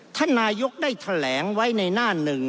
ท่านนายกได้แถลงไว้ในหน้าหนึ่ง